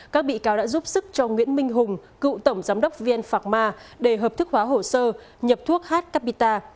các bị cáo đã giúp sức cho nguyễn minh hùng cựu tổng giám đốc vn phạc ma để hợp thức hóa hồ sơ nhập thuốc h capita